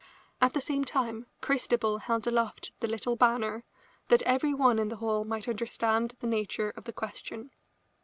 At the same time Christabel held aloft the little banner that every one in the hall might understand the nature of the question.